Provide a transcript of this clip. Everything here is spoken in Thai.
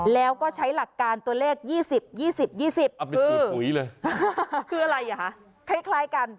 แล้วก็ใช้หลักการตัวเลข๒๐๒๐๒๐คือคล้ายกัน